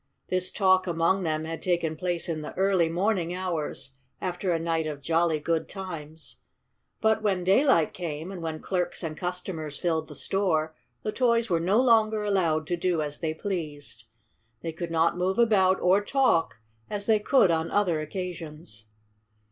This talk among them had taken place in the early morning hours, after a night of jolly good times. But when daylight came, and when clerks and customers filled the store, the toys were no longer allowed to do as they pleased. They could not move about or talk as they could on other occasions.